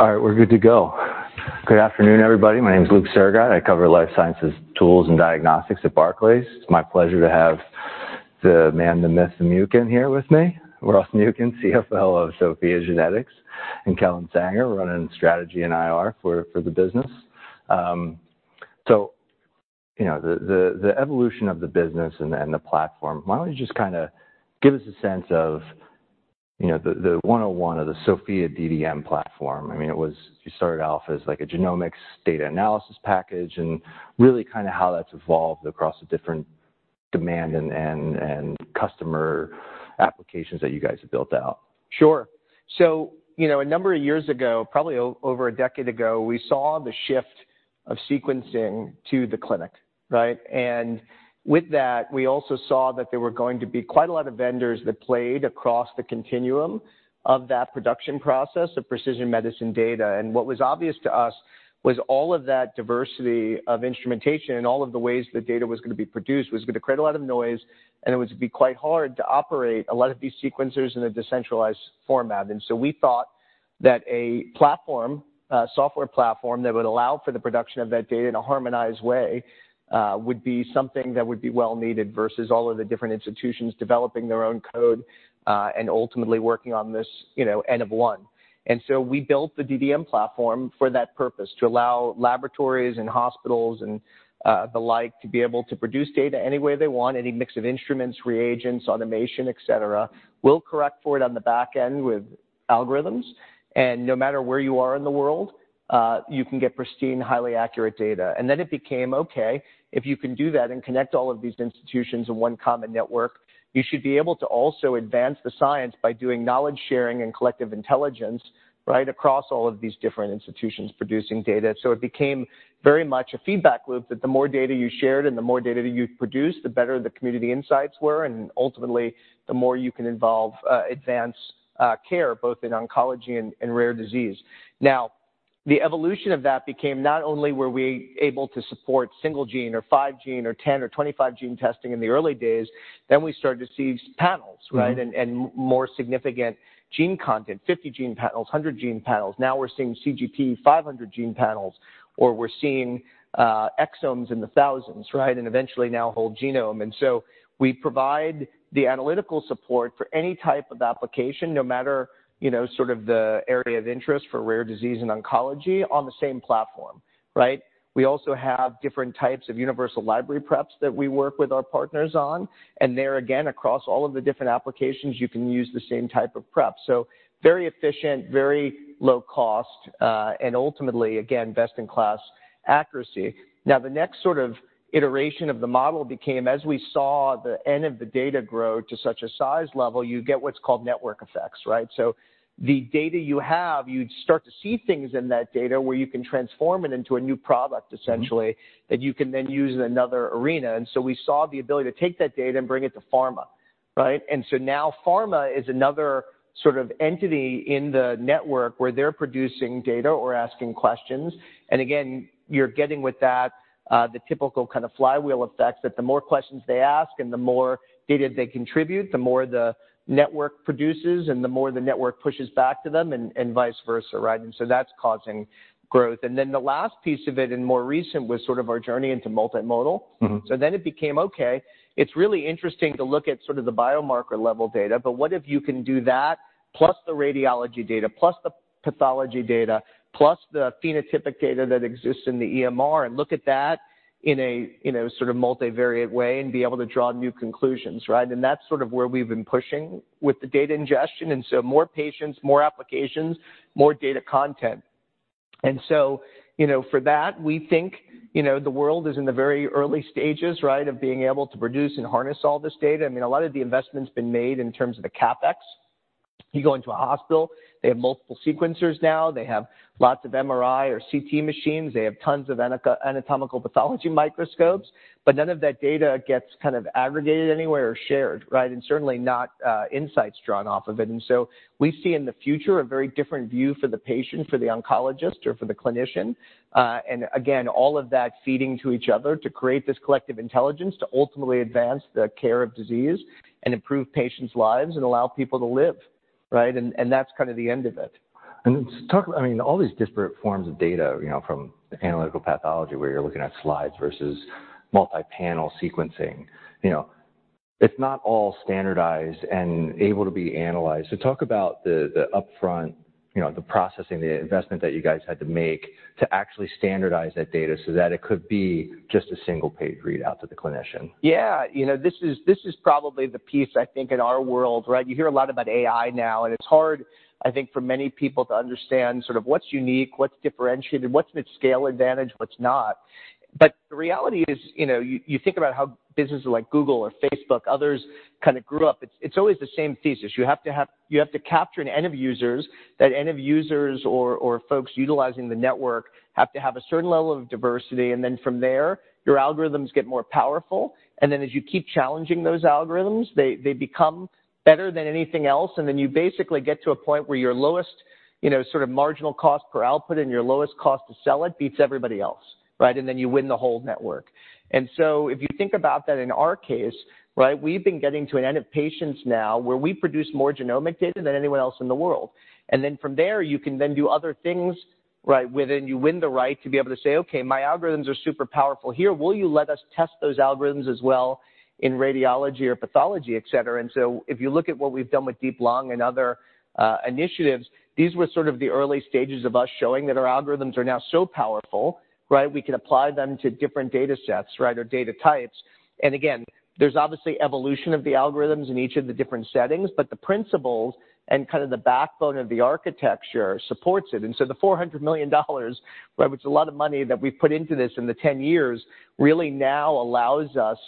All right, we're good to go. Good afternoon, everybody. My name is Luke Sergott. I cover life sciences, tools, and diagnostics at Barclays. It's my pleasure to have the man, the myth, Muken, here with me, Ross Muken, CFO of SOPHiA GENETICS, and Kellen Sanger, running strategy and IR for the business. So, you know, the evolution of the business and the platform, why don't you just kinda give us a sense of, you know, the one-on-one of the SOPHiA DDM platform? I mean, it was-- you started off as, like, a genomics data analysis package, and really kind of how that's evolved across the different demand and customer applications that you guys have built out. Sure. So, you know, a number of years ago, probably over a decade ago, we saw the shift of sequencing to the clinic, right? And with that, we also saw that there were going to be quite a lot of vendors that played across the continuum of that production process of precision medicine data. And what was obvious to us was all of that diversity of instrumentation and all of the ways the data was gonna be produced was gonna create a lot of noise, and it was to be quite hard to operate a lot of these sequencers in a decentralized format. And so we thought that a platform, software platform, that would allow for the production of that data in a harmonized way, would be something that would be well-needed, versus all of the different institutions developing their own code, and ultimately working on this, you know, N-of-One. And so we built the DDM platform for that purpose, to allow laboratories and hospitals and, the like, to be able to produce data any way they want, any mix of instruments, reagents, automation, et cetera. We'll correct for it on the back end with algorithms, and no matter where you are in the world, you can get pristine, highly accurate data. Then it became, okay, if you can do that and connect all of these institutions in one common network, you should be able to also advance the science by doing knowledge sharing and collective intelligence, right, across all of these different institutions producing data. So it became very much a feedback loop, that the more data you shared and the more data that you produced, the better the community insights were, and ultimately, the more you can involve advanced care, both in oncology and rare disease. Now, the evolution of that became not only were we able to support single gene or 5-gene or 10 or 25-gene testing in the early days, then we started to see panels, right? Mm-hmm. More significant gene content, 50-gene panels, 100-gene panels. Now we're seeing CGP 500-gene panels, or we're seeing exomes in the thousands, right? And eventually now, whole genome. And so we provide the analytical support for any type of application, no matter, you know, sort of the area of interest, for rare disease and oncology, on the same platform, right? We also have different types of universal library preps that we work with our partners on, and there again, across all of the different applications, you can use the same type of prep. So very efficient, very low cost, and ultimately, again, best-in-class accuracy. Now, the next sort of iteration of the model became, as we saw the N of the data grow to such a size level, you get what's called network effects, right? The data you have, you'd start to see things in that data where you can transform it into a new product, essentially- Mm-hmm that you can then use in another arena. And so we saw the ability to take that data and bring it to pharma, right? And so now pharma is another sort of entity in the network, where they're producing data or asking questions. And again, you're getting with that, the typical kind of flywheel effect, that the more questions they ask and the more data they contribute, the more the network produces and the more the network pushes back to them, and vice versa, right? And so that's causing growth. And then the last piece of it, and more recent, was sort of our journey into multimodal. Mm-hmm. So then it became, okay, it's really interesting to look at sort of the biomarker-level data, but what if you can do that plus the radiology data, plus the pathology data, plus the phenotypic data that exists in the EMR, and look at that in a, you know, sort of multivariate way and be able to draw new conclusions, right? And that's sort of where we've been pushing with the data ingestion, and so more patients, more applications, more data content. And so, you know, for that, we think, you know, the world is in the very early stages, right, of being able to produce and harness all this data. I mean, a lot of the investment's been made in terms of the CapEx. You go into a hospital, they have multiple sequencers now, they have lots of MRI or CT machines, they have tons of anatomical pathology microscopes, but none of that data gets kind of aggregated anywhere or shared, right? And certainly not, insights drawn off of it. And so we see in the future a very different view for the patient, for the oncologist, or for the clinician. And again, all of that feeding to each other to create this collective intelligence, to ultimately advance the care of disease and improve patients' lives and allow people to live, right? And, and that's kind of the end of it. I mean, all these disparate forms of data, you know, from anatomical pathology, where you're looking at slides versus multi-panel sequencing, you know, it's not all standardized and able to be analyzed. So talk about the upfront, you know, the processing, the investment that you guys had to make to actually standardize that data so that it could be just a single-page readout to the clinician. Yeah. You know, this is, this is probably the piece, I think, in our world, right? You hear a lot about AI now, and it's hard, I think, for many people to understand sort of what's unique, what's differentiated, what's mid-scale advantage, what's not. But the reality is, you know, you, you think about how businesses like Google or Facebook, others kind of grew up, it's, it's always the same thesis: you have to have-- you have to capture an N of users. That N of users or folks utilizing the network have to have a certain level of diversity, and then from there, your algorithms get more powerful, and then as you keep challenging those algorithms, they become better than anything else, and then you basically get to a point where your lowest, you know, sort of marginal cost per output and your lowest cost to sell it beats everybody else, right? And then you win the whole network. And so if you think about that in our case, right, we've been getting to an N of patients now, where we produce more genomic data than anyone else in the world. And then from there, you can then do other things, right, where then you win the right to be able to say, "Okay, my algorithms are super powerful here. Will you let us test those algorithms as well in radiology or pathology, et cetera?" And so if you look at what we've done with DEEP-Lung and other initiatives, these were sort of the early stages of us showing that our algorithms are now so powerful, right, we can apply them to different data sets, right, or data types. And again, there's obviously evolution of the algorithms in each of the different settings, but the principles and kind of the backbone of the architecture supports it. And so the $400 million, right, which is a lot of money that we've put into this in the 10 years, really now allows us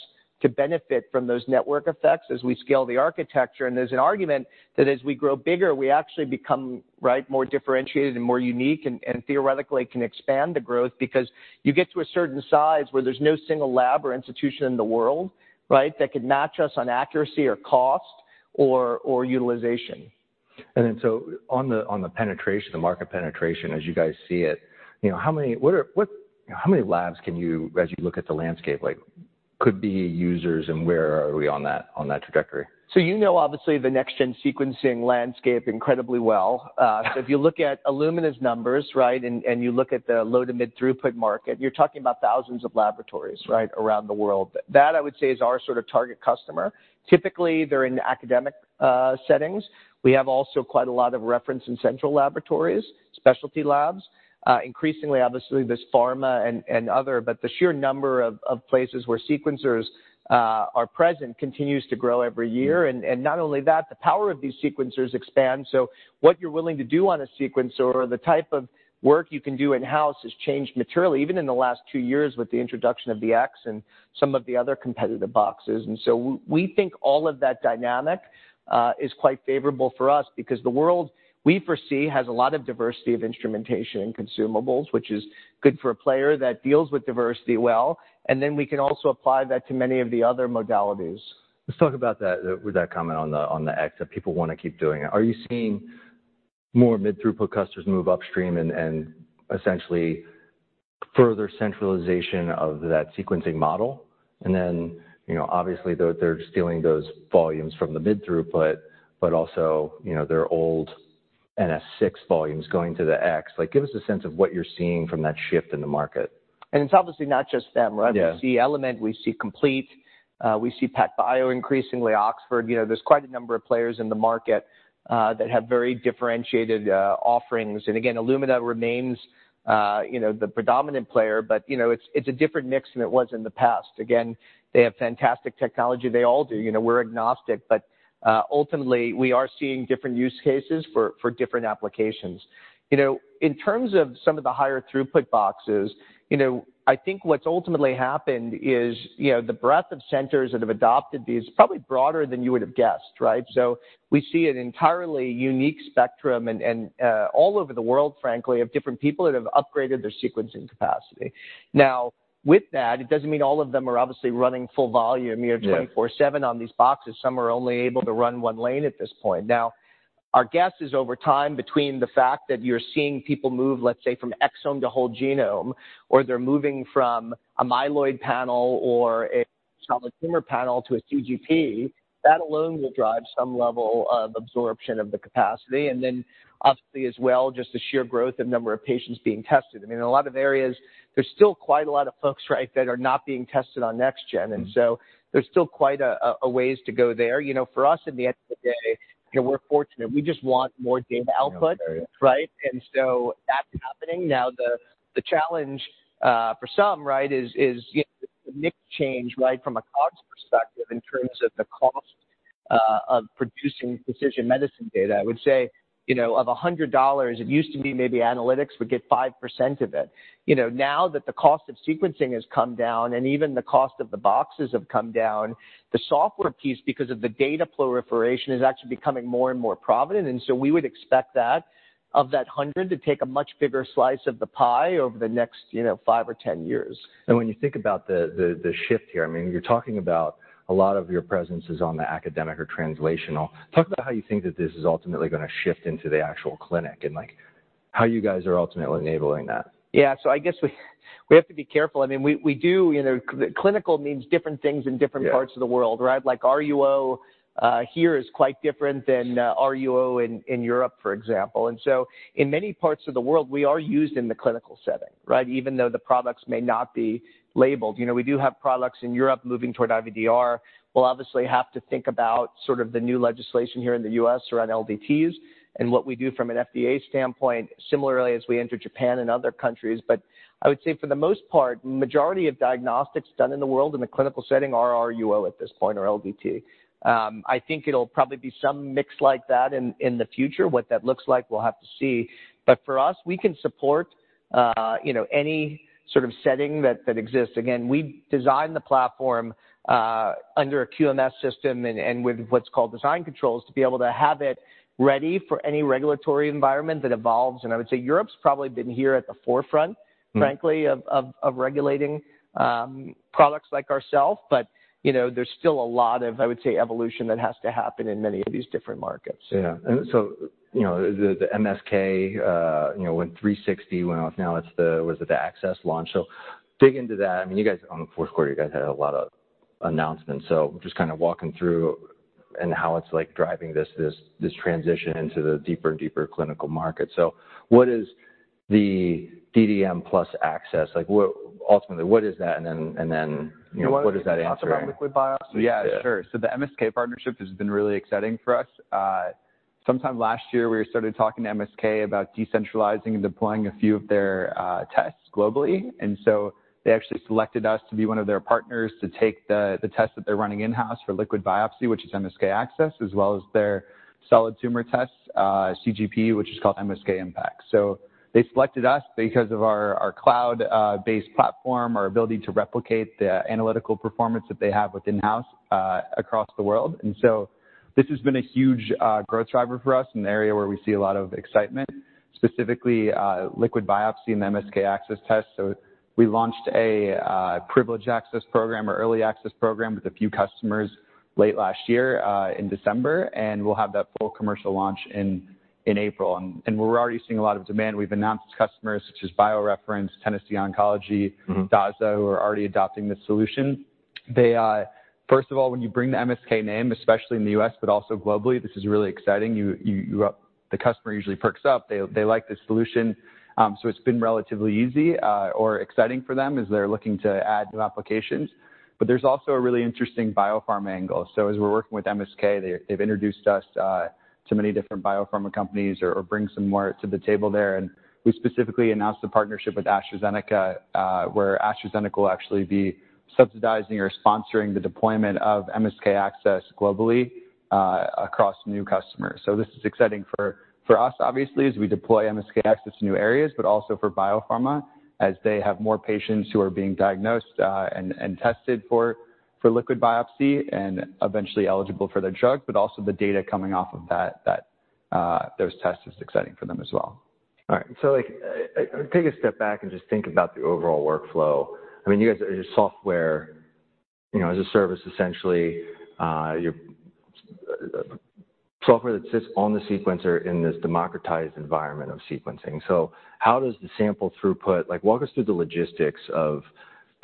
to benefit from those network effects as we scale the architecture. And there's an argument that as we grow bigger, we actually become, right, more differentiated and more unique, and, and theoretically, can expand the growth. Because you get to a certain size where there's no single lab or institution in the world, right, that could match us on accuracy or cost or, or utilization. So on the penetration, the market penetration, as you guys see it, you know, how many labs can you, as you look at the landscape, like, could be users, and where are we on that trajectory? So you know, obviously, the next-gen sequencing landscape incredibly well. So if you look at Illumina's numbers, right, and you look at the low to mid-throughput market, you're talking about thousands of laboratories, right, around the world. That, I would say, is our sort of target customer. Typically, they're in academic settings. We have also quite a lot of reference and central laboratories, specialty labs, increasingly, obviously, there's pharma and other. But the sheer number of places where sequencers are present continues to grow every year. Mm-hmm. Not only that, the power of these sequencers expand, so what you're willing to do on a sequencer or the type of work you can do in-house has changed materially, even in the last two years with the introduction of the X and some of the other competitive boxes. We think all of that dynamic is quite favorable for us because the world we foresee has a lot of diversity of instrumentation and consumables, which is good for a player that deals with diversity well, and then we can also apply that to many of the other modalities. Let's talk about that, with that comment on the X, if people want to keep doing it. Are you seeing more mid-throughput customers move upstream and essentially, further centralization of that sequencing model? And then, you know, obviously, they're stealing those volumes from the mid-throughput, but also, you know, their old NS6 volumes going to the X. Like, give us a sense of what you're seeing from that shift in the market. It's obviously not just them, right? Yeah. We see Element, we see Complete, we see PacBio, increasingly Oxford. You know, there's quite a number of players in the market that have very differentiated offerings. And again, Illumina remains, you know, the predominant player, but, you know, it's, it's a different mix than it was in the past. Again, they have fantastic technology. They all do. You know, we're agnostic, but, ultimately, we are seeing different use cases for, for different applications. You know, in terms of some of the higher throughput boxes, you know, I think what's ultimately happened is, you know, the breadth of centers that have adopted these, probably broader than you would have guessed, right? So we see an entirely unique spectrum and, and, all over the world, frankly, of different people that have upgraded their sequencing capacity. Now, with that, it doesn't mean all of them are obviously running full volume- Yeah ...near 24/7 on these boxes. Some are only able to run one lane at this point. Now, our guess is over time, between the fact that you're seeing people move, let's say, from exome to whole genome, or they're moving from a myeloid panel or a solid tumor panel to a CGP, that alone will drive some level of absorption of the capacity, and then obviously, as well, just the sheer growth and number of patients being tested. I mean, in a lot of areas, there's still quite a lot of folks, right, that are not being tested on next-gen. Mm-hmm. And so there's still quite a ways to go there. You know, for us, at the end of the day, you know, we're fortunate. We just want more data output. Yeah. Right? And so that's happening. Now, the challenge for some, right, is, you know, the mix change, right, from a cost perspective in terms of the cost of producing precision medicine data. I would say, you know, of $100, it used to be maybe analytics would get 5% of it. You know, now that the cost of sequencing has come down and even the cost of the boxes have come down, the software piece, because of the data proliferation, is actually becoming more and more prominent, and so we would expect that, of that hundred, to take a much bigger slice of the pie over the next, you know, five or 10 years. And when you think about the shift here, I mean, you're talking about a lot of your presence is on the academic or translational. Talk about how you think that this is ultimately gonna shift into the actual clinic, and, like, how you guys are ultimately enabling that. Yeah. So I guess we have to be careful. I mean, we do... You know, clinical means different things in different- Yeah... parts of the world, right? Like, RUO here is quite different than RUO in Europe, for example. And so in many parts of the world, we are used in the clinical setting, right? Even though the products may not be labeled. You know, we do have products in Europe moving toward IVDR. We'll obviously have to think about sort of the new legislation here in the U.S. around LDTs and what we do from an FDA standpoint, similarly as we enter Japan and other countries. But I would say, for the most part, majority of diagnostics done in the world in the clinical setting are RUO at this point, or LDT. I think it'll probably be some mix like that in the future. What that looks like, we'll have to see. But for us, we can support, you know, any sort of setting that exists. Again, we designed the platform under a QMS system and with what's called design controls, to be able to have it ready for any regulatory environment that evolves. And I would say Europe's probably been here at the forefront. Mm... frankly, of regulating products like ourselves. But, you know, there's still a lot of, I would say, evolution that has to happen in many of these different markets. Yeah. So, you know, the MSK went 360, went off, now it's the... Was it the Access launch? So dig into that. I mean, you guys, on the fourth quarter, you guys had a lot of announcements, so just kind of walking through... and how it's, like, driving this transition into the deeper and deeper clinical market. So what is the DDM plus Access? Like, what-- ultimately, what is that? And then, you know, what is that answering? You want me to talk about liquid biopsy? Yeah, sure. So the MSK partnership has been really exciting for us. Sometime last year, we started talking to MSK about decentralizing and deploying a few of their tests globally. And so they actually selected us to be one of their partners to take the test that they're running in-house for liquid biopsy, which is MSK-ACCESS, as well as their solid tumor test, CGP, which is called MSK-IMPACT. So they selected us because of our cloud based platform, our ability to replicate the analytical performance that they have with in-house across the world. And so this has been a huge growth driver for us in an area where we see a lot of excitement, specifically, liquid biopsy and the MSK-ACCESS test. So we launched a privilege access program or early access program with a few customers late last year in December, and we'll have that full commercial launch in April. And we're already seeing a lot of demand. We've announced customers such as BioReference, Tennessee Oncology- Mm-hmm... Dasa, who are already adopting this solution. They... First of all, when you bring the MSK name, especially in the U.S., but also globally, this is really exciting. You, you, the customer usually perks up. They, they like the solution. So it's been relatively easy, or exciting for them as they're looking to add new applications. But there's also a really interesting biopharma angle. So as we're working with MSK, they, they've introduced us to many different biopharma companies or bring some more to the table there. And we specifically announced a partnership with AstraZeneca, where AstraZeneca will actually be subsidizing or sponsoring the deployment of MSK-ACCESS globally, across new customers. So this is exciting for us, obviously, as we deploy MSK-ACCESS to new areas, but also for biopharma, as they have more patients who are being diagnosed and tested for liquid biopsy and eventually eligible for their drug, but also the data coming off of those tests is exciting for them as well. All right. So, like, take a step back and just think about the overall workflow. I mean, you guys, as a software, you know, as a service, essentially, you're software that sits on the sequencer in this democratized environment of sequencing. So how does the sample throughput... Like, walk us through the logistics of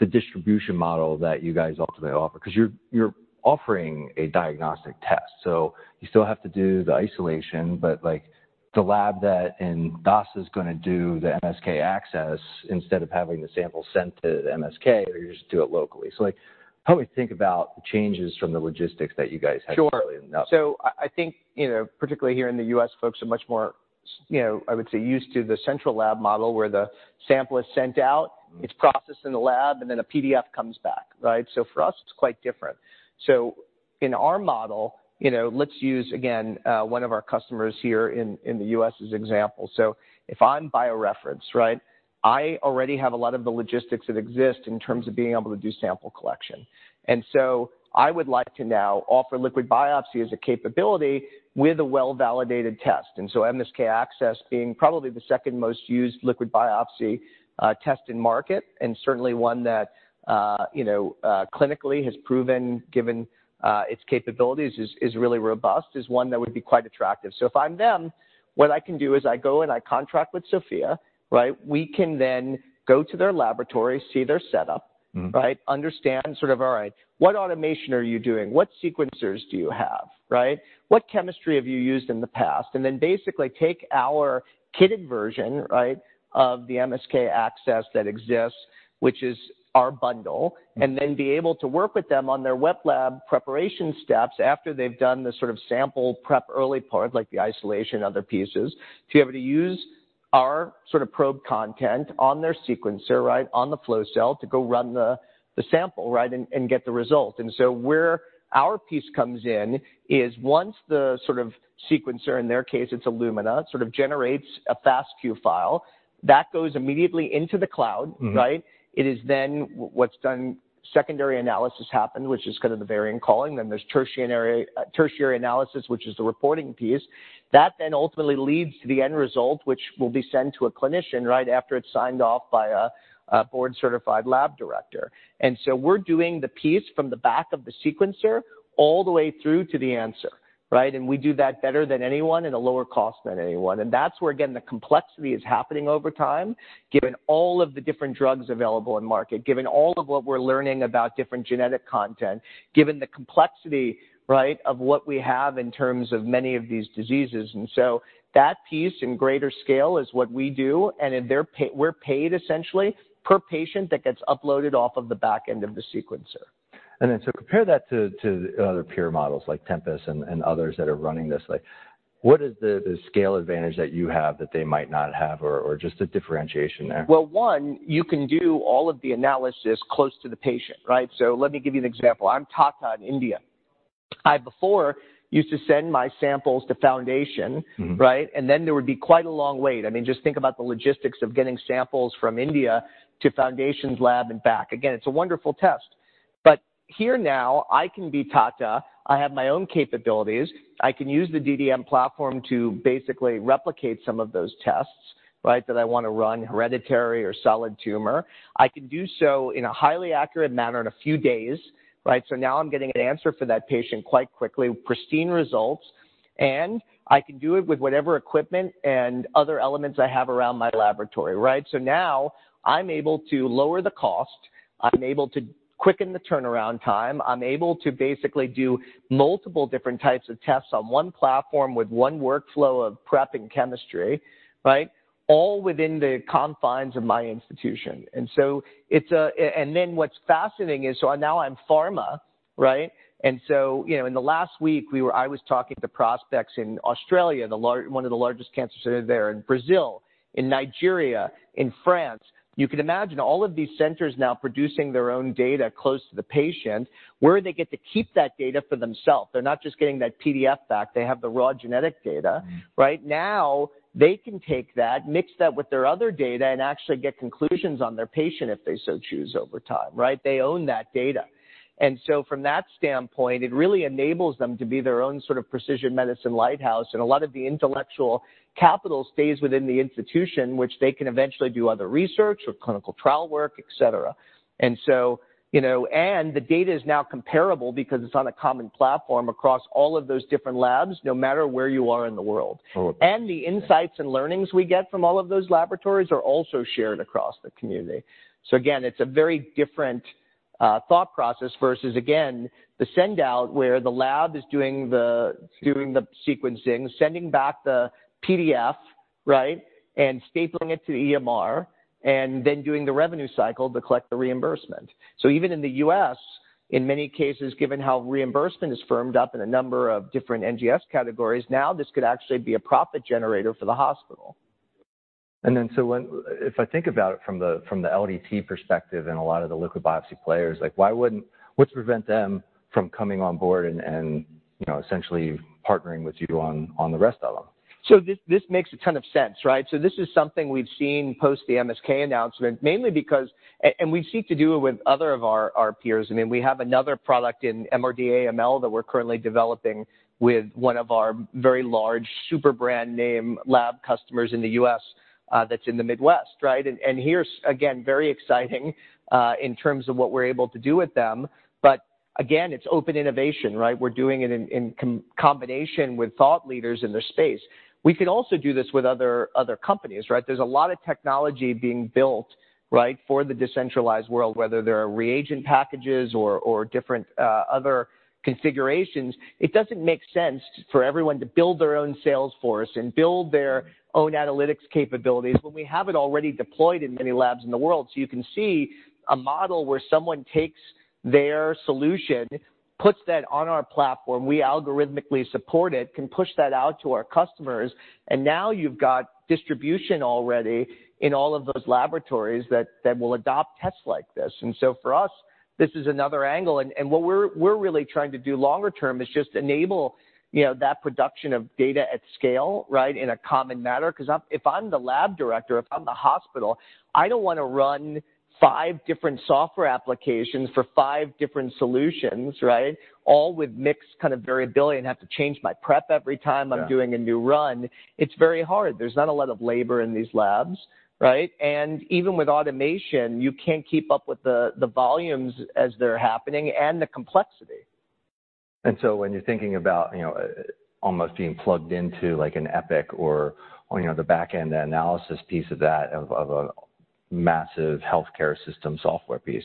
the distribution model that you guys ultimately offer, 'cause you're, you're offering a diagnostic test, so you still have to do the isolation, but, like, the lab that in Dasa is gonna do the MSK-ACCESS, instead of having the sample sent to MSK, they just do it locally. So, like, how do we think about the changes from the logistics that you guys have- Sure. Currently enough? So I think, you know, particularly here in the U.S., folks are much more, you know, I would say, used to the central lab model, where the sample is sent out- Mm-hmm. It's processed in the lab, and then a PDF comes back, right? So for us, it's quite different. So in our model, you know, let's use, again, one of our customers here in the U.S. as example. So if I'm BioReference, right, I already have a lot of the logistics that exist in terms of being able to do sample collection. And so I would like to now offer liquid biopsy as a capability with a well-validated test. And so MSK-ACCESS, being probably the second most used liquid biopsy test in market, and certainly one that, you know, clinically has proven, given its capabilities, is really robust, is one that would be quite attractive. So if I'm them, what I can do is I go and I contract with SOPHiA, right? We can then go to their laboratory, see their setup- Mm-hmm. Right? Understand, sort of, all right, what automation are you doing? What sequencers do you have, right? What chemistry have you used in the past? And then basically take our kitted version, right, of the MSK-ACCESS that exists, which is our bundle- Mm-hmm. and then be able to work with them on their wet lab preparation steps after they've done the sort of sample prep early part, like the isolation, other pieces, to be able to use our sort of probe content on their sequencer, right, on the flow cell, to go run the sample, right, and get the result. And so where our piece comes in is once the sort of sequencer, in their case, it's Illumina, sort of generates a FASTQ file, that goes immediately into the cloud, right? Mm-hmm. It is then what's done, secondary analysis happen, which is kind of the variant calling. Then there's tertiary analysis, which is the reporting piece. That then ultimately leads to the end result, which will be sent to a clinician, right, after it's signed off by a board-certified lab director. And so we're doing the piece from the back of the sequencer all the way through to the answer, right? And we do that better than anyone at a lower cost than anyone. And that's where, again, the complexity is happening over time, given all of the different drugs available in market, given all of what we're learning about different genetic content, given the complexity, right, of what we have in terms of many of these diseases. And so that piece in greater scale is what we do, and then we're paid essentially per patient that gets uploaded off of the back end of the sequencer. And then, so compare that to other peer models like Tempus and others that are running this. Like, what is the scale advantage that you have that they might not have, or just a differentiation there? Well, one, you can do all of the analysis close to the patient, right? So let me give you an example. Take Tata in India. I, before, used to send my samples to Foundation- Mm-hmm. Right? And then there would be quite a long wait. I mean, just think about the logistics of getting samples from India to Foundation Medicine's lab and back. Again, it's a wonderful test, but here now, I can be Tata. I have my own capabilities. I can use the DDM platform to basically replicate some of those tests, right, that I want to run, hereditary or solid tumor. I can do so in a highly accurate manner in a few days, right? So now I'm getting an answer for that patient quite quickly, pristine results... and I can do it with whatever equipment and other elements I have around my laboratory, right? So now I'm able to lower the cost, I'm able to quicken the turnaround time, I'm able to basically do multiple different types of tests on one platform with one workflow of prep and chemistry, right? All within the confines of my institution. And so it's, and then what's fascinating is, so now I'm pharma, right? And so, you know, in the last week, I was talking to prospects in Australia, one of the largest cancer centers there, in Brazil, in Nigeria, in France. You can imagine all of these centers now producing their own data close to the patient, where they get to keep that data for themselves. They're not just getting that PDF back, they have the raw genetic data. Mm. Right now, they can take that, mix that with their other data, and actually get conclusions on their patient if they so choose over time, right? They own that data. And so from that standpoint, it really enables them to be their own sort of precision medicine lighthouse, and a lot of the intellectual capital stays within the institution, which they can eventually do other research or clinical trial work, et cetera. And so, you know, and the data is now comparable because it's on a common platform across all of those different labs, no matter where you are in the world. Oh. The insights and learnings we get from all of those laboratories are also shared across the community. So again, it's a very different thought process versus, again, the send-out, where the lab is doing the sequencing, sending back the PDF, right? And stapling it to the EMR, and then doing the revenue cycle to collect the reimbursement. So even in the U.S., in many cases, given how reimbursement is firmed up in a number of different NGS categories, now this could actually be a profit generator for the hospital. If I think about it from the LDT perspective and a lot of the liquid biopsy players, like, why wouldn't... What's prevent them from coming on board and, you know, essentially partnering with you on the rest of them? So this, this makes a ton of sense, right? So this is something we've seen post the MSK announcement, mainly because... And we seek to do it with other of our, our peers. I mean, we have another product in MRD AML that we're currently developing with one of our very large super brand name lab customers in the US, that's in the Midwest, right? And here's, again, very exciting, in terms of what we're able to do with them. But again, it's open innovation, right? We're doing it in, in combination with thought leaders in the space. We can also do this with other, other companies, right? There's a lot of technology being built, right, for the decentralized world, whether they're reagent packages or, or different, other configurations. It doesn't make sense for everyone to build their own sales force and build their own analytics capabilities when we have it already deployed in many labs in the world. So you can see a model where someone takes their solution, puts that on our platform, we algorithmically support it, can push that out to our customers, and now you've got distribution already in all of those laboratories that will adopt tests like this. And so for us, this is another angle. And what we're really trying to do longer term is just enable, you know, that production of data at scale, right, in a common manner. Because if I'm the lab director, if I'm the hospital, I don't want to run five different software applications for five different solutions, right? All with mixed kind of variability and have to change my prep every time- Yeah... I'm doing a new run. It's very hard. There's not a lot of labor in these labs, right? And even with automation, you can't keep up with the volumes as they're happening and the complexity. So when you're thinking about, you know, almost being plugged into, like, an Epic or, you know, the back end analysis piece of that, of a massive healthcare system software piece.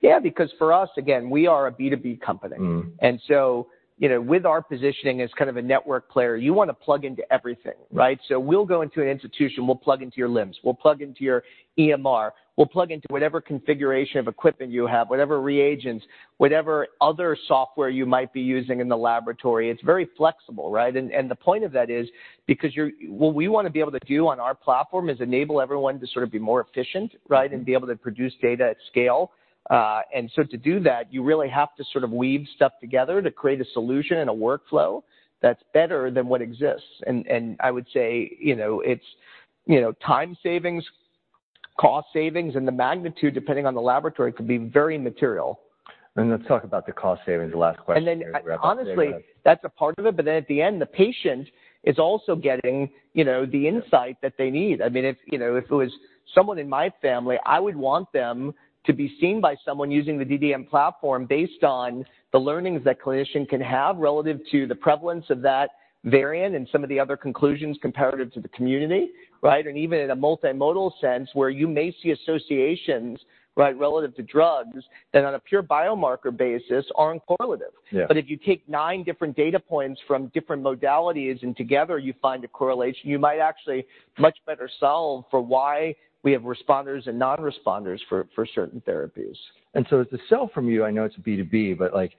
Yeah, because for us, again, we are a B2B company. Mm. And so, you know, with our positioning as kind of a network player, you want to plug into everything, right? We'll go into an institution, we'll plug into your LIMS, we'll plug into your EMR, we'll plug into whatever configuration of equipment you have, whatever reagents, whatever other software you might be using in the laboratory. It's very flexible, right? And the point of that is, because what we want to be able to do on our platform is enable everyone to sort of be more efficient, right? Mm. Be able to produce data at scale. And so to do that, you really have to sort of weave stuff together to create a solution and a workflow that's better than what exists. And I would say, you know, it's, you know, time savings, cost savings, and the magnitude, depending on the laboratory, could be very material. Let's talk about the cost savings, the last question- And then, honestly, that's a part of it, but then at the end, the patient is also getting, you know, the insight- Yeah... that they need. I mean, if, you know, if it was someone in my family, I would want them to be seen by someone using the DDM platform based on the learnings that clinician can have relative to the prevalence of that variant and some of the other conclusions comparative to the community, right? And even in a multimodal sense, where you may see associations, right, relative to drugs, that on a pure biomarker basis, are correlative. Yeah. But if you take nine different data points from different modalities, and together you find a correlation, you might actually much better solve for why we have responders and non-responders for certain therapies. And so as the sell from you, I know it's B2B, but, like,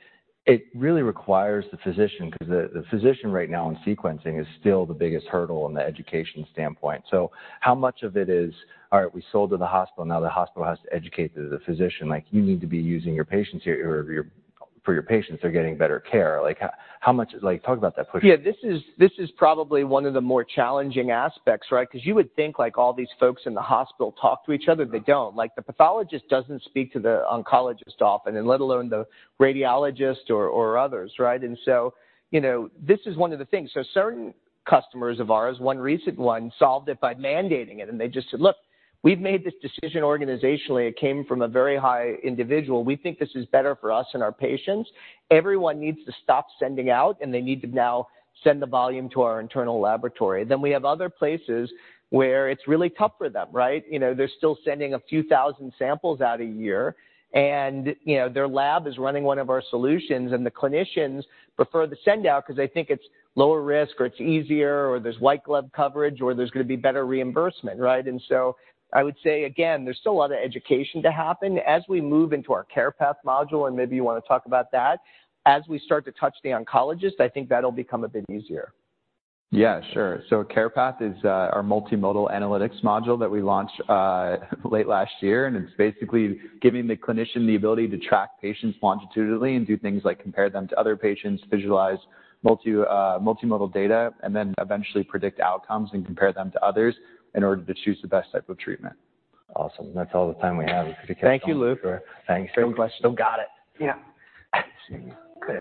it really requires the physician, because the, the physician right now in sequencing is still the biggest hurdle in the education standpoint. So how much of it is, "All right, we sold to the hospital, now the hospital has to educate the physician, like, you need to be using your patients here, or your—for your patients, they're getting better care." Like, how, how much... Like, talk about that push. Yeah, this is probably one of the more challenging aspects, right? Because you would think, like, all these folks in the hospital talk to each other, they don't. Mm. Like, the pathologist doesn't speak to the oncologist often, and let alone the radiologist or others, right? And so, you know, this is one of the things. So certain customers of ours, one recent one, solved it by mandating it, and they just said: "Look, we've made this decision organizationally. It came from a very high individual. We think this is better for us and our patients. Everyone needs to stop sending out, and they need to now send the volume to our internal laboratory." Then we have other places where it's really tough for them, right? You know, they're still sending a few thousand samples out a year, and, you know, their lab is running one of our solutions, and the clinicians prefer the send-out because they think it's lower risk, or it's easier, or there's white glove coverage, or there's going to be better reimbursement, right? I would say, again, there's still a lot of education to happen. As we move into our CarePath module, and maybe you want to talk about that, as we start to touch the oncologist, I think that'll become a bit easier. Yeah, sure. So CarePath is our multimodal analytics module that we launched late last year, and it's basically giving the clinician the ability to track patients longitudinally and do things like compare them to other patients, visualize multimodal data, and then eventually predict outcomes and compare them to others in order to choose the best type of treatment. Awesome. That's all the time we have. We could keep going- Thank you, Luke. Sure. Thanks. Great questions. Still got it. Yeah. Great.